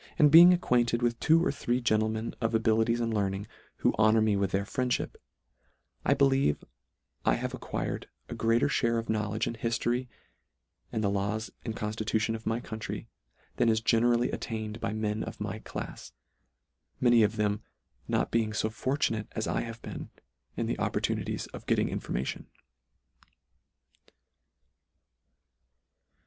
being acquainted with two or three gentle men of abilities and learning, who honour me with their friendihip, I believe I have acquired a greater ihare of knowledge in hiffory, and the laws and conftitution of my country, than is generally attained by men of my clafs, many of them not being fo fortunate as I have been in the opportuni ties of getting information.